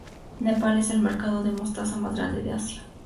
Nepal es el mercado de mostaza más grande de Asia.